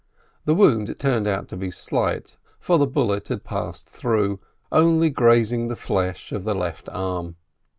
The wound turned out to be slight, for the bullet had passed through, only grazing the flesh of the left arm.